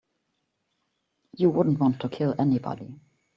You wouldn't want to kill anybody.